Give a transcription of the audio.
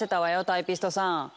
タイピストさん。